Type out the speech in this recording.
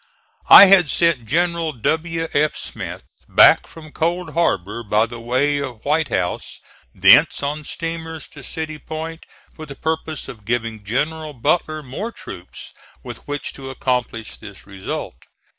I had sent General W. F. Smith back from Cold Harbor by the way of White House, thence on steamers to City Point for the purpose of giving General Butler more troops with which to accomplish this result.